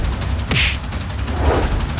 kedai yang menangis